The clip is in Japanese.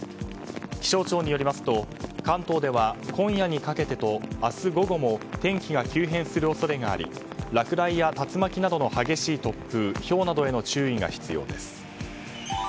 気象庁によりますと関東では、今夜にかけてと明日午後も天気が急変する恐れがあり落雷や竜巻などの激しい突風ひょうなどへの注意が必要です。